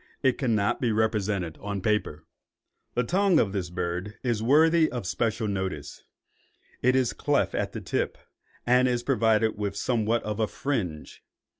It cannot be represented on paper. The tongue of this bird is worthy of special notice. It is cleft at the tip, and is provided with somewhat of a fringe.